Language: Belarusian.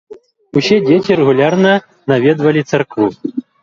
Усе дзеці рэгулярна наведвалі царкву.